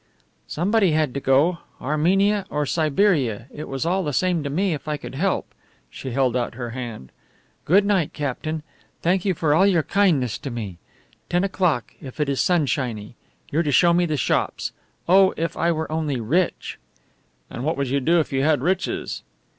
"Somebody had to go. Armenia or Siberia, it was all the same to me if I could help." She held out her hand. "Good night, captain. Thank you for all your kindness to me. Ten o'clock, if it is sunshiny. You're to show me the shops. Oh, if I were only rich!" "And what would you do if you had riches?"